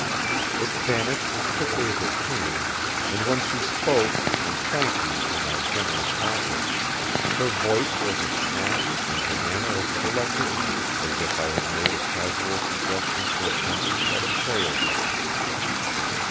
It vanished as quickly as it came, and when she spoke and thanked me for my generous offer, her voice was as calm and her manner as collected as if I had made a casual suggestion for attendance at a prayer meeting.